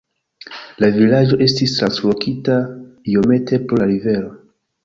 La vilaĝo estis translokita iomete pro la rivero.